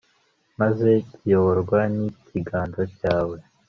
maze kiyoborwa n'ikiganza cyawe